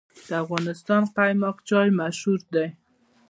د افغانستان قیماق چای مشهور دی